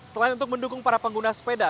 selain untuk mendukung para pengguna sepeda